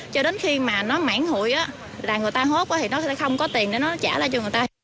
cho đến khi mà nói mãn hụi là người ta hốt thì nó sẽ không có tiền để nó trả lại cho người ta